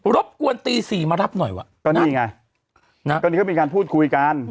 รบกวนตี๔มารับหน่อยว่ะก็นี่ไงก็นี่ก็มีการพูดคุยกัน